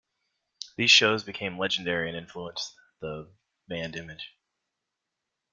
These shows became legendary and influenced the band image.